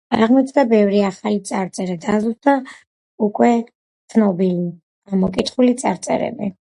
აღმოჩნდა ბევრი ახალი წარწერა, დაზუსტდა უკვე ცნობილი, ამოკითხული წარწერები.